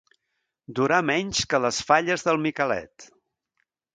Durar menys que les falles del Miquelet.